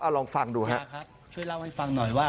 เอาลองฟังดูฮะ